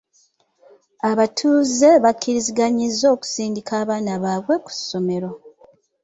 Abatuuze bakkiriziganyizza okusindika abaana baabwe ku ssomero.